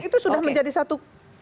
itu sudah menjadi satu